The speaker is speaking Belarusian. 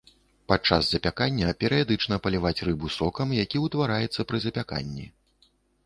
Падчас запякання перыядычна паліваць рыбу сокам, які утвараецца пры запяканні.